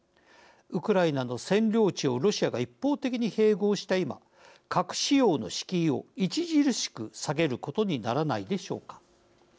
ウクライナの占領地をロシアが一方的に併合した今核使用の敷居を著しく下げることにならないでしょうか。